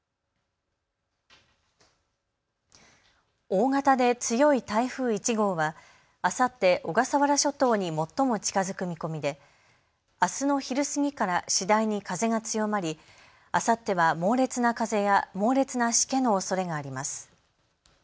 大型で強い台風１号はあさって小笠原諸島に最も近づく見込みであすの昼過ぎから次第に風が強まりあさっては猛烈な風や猛烈なしけのおそれがあります。